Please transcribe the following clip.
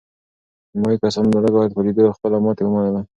نیمایي کسانو د لږ عاید په لیدو خپله ماتې ومنله.